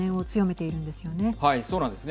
はい、そうなんですね。